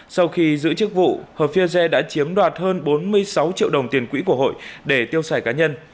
sau khi giữ chức vụ hợp phier de đã chiếm đoạt hơn bốn mươi sáu triệu đồng tiền quỹ của hội để tiêu xài cá nhân